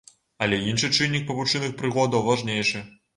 Але іншы чыннік павучыных прыгодаў важнейшы.